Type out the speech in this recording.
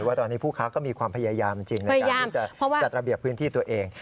ว่าตอนนี้ผู้ค้าก็มีความพยายามจริงในการที่จะจัดระเบียบพื้นที่ตัวเอง